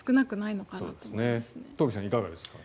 いかがですか。